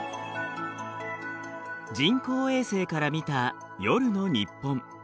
人工衛星から見た夜の日本。